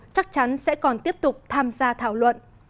chắc chắn sẽ còn tiếp tục tham gia thảo luận